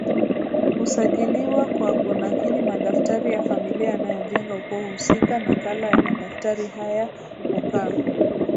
husajiliwa kwa kunakili madaftari ya familia yanayojenga ukoo husika Nakala ya madaftari haya hukaa